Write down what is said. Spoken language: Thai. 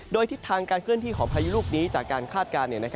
โดยทิศทางการเคลื่อนที่ของพายุลูกนี้จากการคาดการณ์